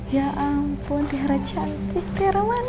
ya ampun tiara cantik tiara manis